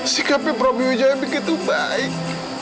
sikapnya prabowo wujaya begitu baik